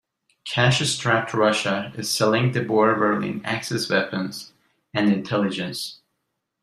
Cash-strapped Russia is selling the Boer-Berlin Axis weapons and intelligence.